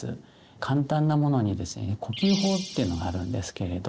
簡単なものにですね呼吸法ってのがあるんですけれど。